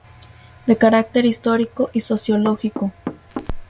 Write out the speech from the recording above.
De carácter histórico y sociológico.